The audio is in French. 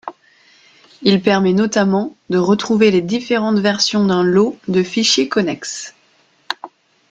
Il permet notamment de retrouver les différentes versions d'un lot de fichiers connexes.